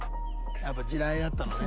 やっぱり地雷があったのね。